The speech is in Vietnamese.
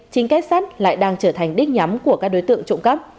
chính kết sắt lại đang trở thành đích nhắm của các đối tượng trộm cắp